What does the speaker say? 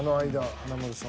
華丸さん。